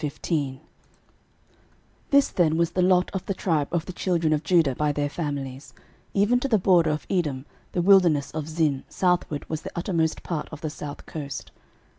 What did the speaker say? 06:015:001 This then was the lot of the tribe of the children of Judah by their families; even to the border of Edom the wilderness of Zin southward was the uttermost part of the south coast.